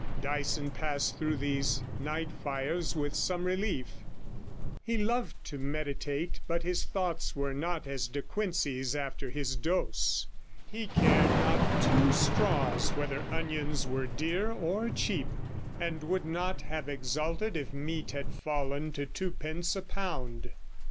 Dyson passed through these night fires with some relief; he loved to meditate, but his thoughts were not as De Quincey's after his dose; he cared not two straws whether onions were dear or cheap, and would not have exulted if meat had fallen to twopence a pound.